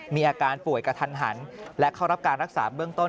มีอาการป่วยกระทันหันและเข้ารับการรักษาเบื้องต้น